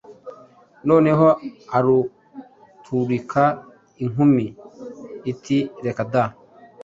noneho araturika inkumi:iti reka da